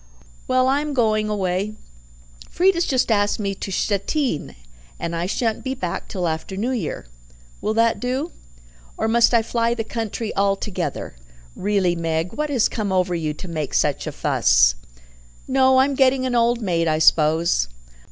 "Well, I am going away. Frieda's just asked me to Stettin, and I shan't be back till after the New Year. Will that do? Or must I fly the country altogether? Really, Meg, what has come over you to make such a fuss?" "Oh, I'm getting an old maid, I suppose.